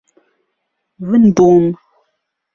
ون بووم.